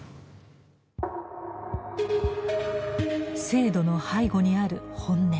制度の背後にある本音。